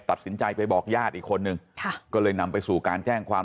ตัดสินใจไปบอกญาติอีกคนนึงค่ะก็เลยนำไปสู่การแจ้งความ